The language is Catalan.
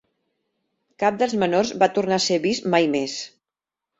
Cap dels menors va tornar a ser vist mai més.